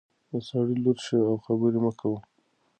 د سړي لور شه او خبرې مه کوه.